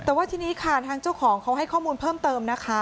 แต่ว่าทีนี้ค่ะทางเจ้าของเขาให้ข้อมูลเพิ่มเติมนะคะ